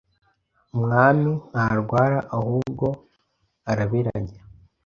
Umwami Ntarwara ahubwo Araberanya